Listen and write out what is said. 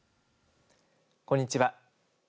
こんにちは。